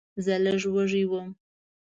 زه لږ وږی وم.